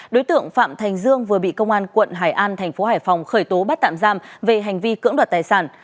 đối tượng phạm thành dương vừa bị công an quận hải an thành phố hải phòng khởi tố bắt tạm giam về hành vi cưỡng đoạt tài sản